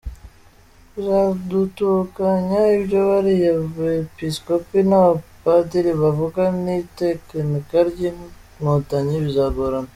Kuzatandukanya ibyo bariya bepiskopi n’abapadiri bavuga n’itekinika ry’Inkotanyi bizagorana.